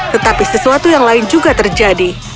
tetapi sesuatu yang lain juga terjadi